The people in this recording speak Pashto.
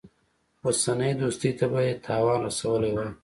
اوسنۍ دوستۍ ته به یې تاوان رسولی وای.